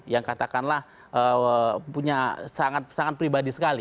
yang katakanlah punya sangat pribadi sekali